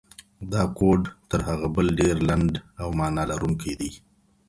دا کوډ تر هغه بل ډېر لنډ او مانا لرونکی دی.